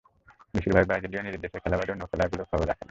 বেশির ভাগ ব্রাজিলীয় নিজের দেশের খেলা বাদে অন্য খেলাগুলোর খবর রাখে না।